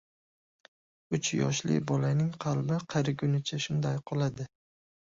• Uch yoshli bolaning qalbi qarigunicha shunday qoladi.